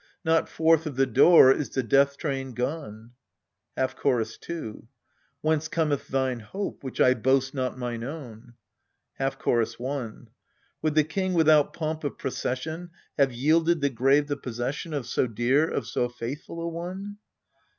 Not forth of the door is the death train gone. Half Chorus 2. Whence cometh thine hope, which I boast not mine own ? Half Chorus i. Would the king without pomp of pro cession have yielded the grave the possession Of so dear, of so faithful a one